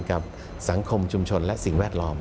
กับสังคมชุมชนและสิ่งแวดล้อม